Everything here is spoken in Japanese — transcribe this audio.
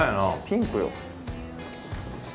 ピンクよ。